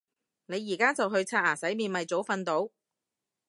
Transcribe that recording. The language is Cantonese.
你而家就去刷牙洗面咪早瞓到